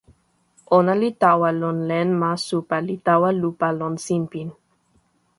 ona li tawa lon len ma supa li tawa lupa lon sinpin.